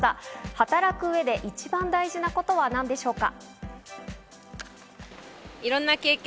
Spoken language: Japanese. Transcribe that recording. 働く上で一番大事なことは何でしょうか？